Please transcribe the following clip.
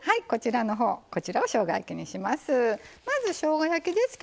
こちらをしょうが焼きにします。